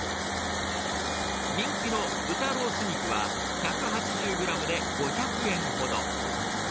人気の豚ロース肉は、１８０グラムで５００円ほど。